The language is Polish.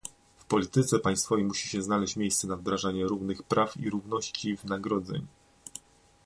W polityce państwowej musi się znaleźć miejsce na wdrażanie równych praw i równości wynagrodzeń